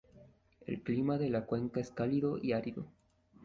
El clima de la cuenca es cálido y árido.